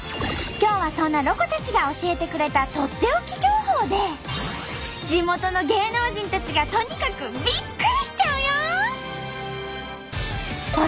今日はそんなロコたちが教えてくれたとっておき情報で地元の芸能人たちがとにかくビックリしちゃうよ！